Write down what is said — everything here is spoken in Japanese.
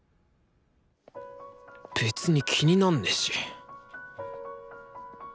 別に気になんねし！